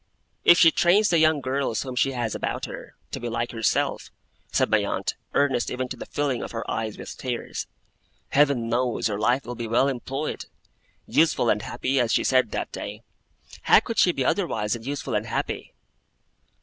'If she trains the young girls whom she has about her, to be like herself,' said my aunt, earnest even to the filling of her eyes with tears, 'Heaven knows, her life will be well employed! Useful and happy, as she said that day! How could she be otherwise than useful and happy!